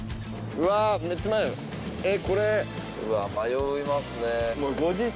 うわっ迷いますね。